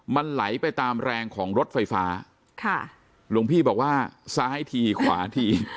มันไหลไปตามแรงของรถไฟฟ้าค่ะหลวงพี่บอกว่าซ้ายทีขวาที